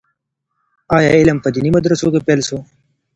آيا علم په ديني مدرسو کي پيل سو؟